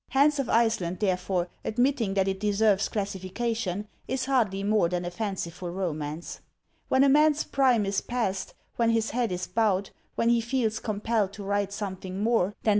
" Hans of Iceland," therefore, admitting that it deserves classification, is hardly more than a fanciful romance. When a man's prime is past, when his head is bowed, when he feels compelled to write something more than 775525 INTRODUCTION.